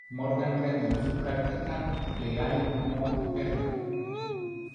Morgan reanudó su práctica legal en Mount Vernon.